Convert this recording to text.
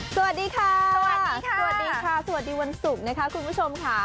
สวัสดีค่ะสวัสดีค่ะสวัสดีค่ะสวัสดีวันศุกร์นะคะคุณผู้ชมค่ะ